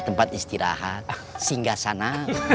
tempat istirahat singgah sana